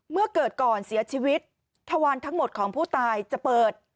เมื่อเกิดก่อนเสียชีวิตทวารทั้งหมดของผู้ตายจะเปิด